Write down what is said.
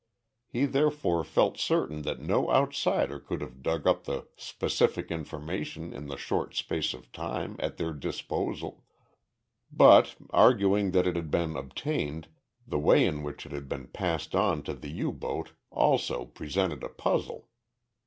He therefore felt certain that no outsider could have dug up the specific information in the short space of time at their disposal. But, arguing that it had been obtained, the way in which it had been passed on to the U boat also presented a puzzle.